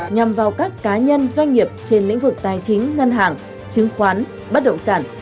nhằm vào các cá nhân doanh nghiệp trên lĩnh vực tài chính ngân hàng chứng khoán bất động sản